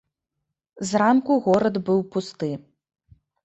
Зранку горад быў пусты.